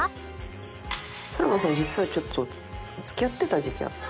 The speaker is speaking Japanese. さらばさん実はちょっと付き合ってた時期あって。